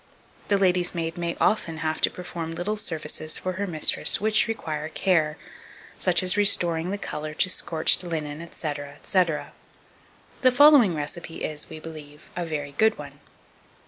The lady's maid may often have to perform little services for her mistress which require care; such as restoring the colour to scorched linen, &c. &c. The following recipe is, we believe, a very good one.